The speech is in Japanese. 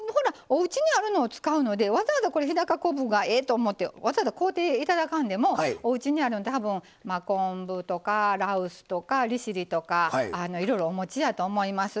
おうちにあるのを使うのでわざわざこれ日高昆布がええと思ってわざわざ買うていただかんでもおうちにあるの多分羅臼とか利尻とかいろいろお持ちやと思います。